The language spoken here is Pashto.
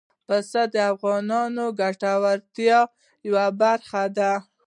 پسه د افغانانو د ګټورتیا یوه برخه ده.